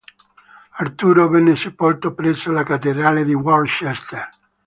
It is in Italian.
Arturo venne sepolto presso la Cattedrale di Worcester.